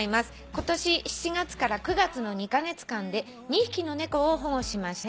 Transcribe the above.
「今年７月から９月の２カ月間で２匹の猫を保護しました」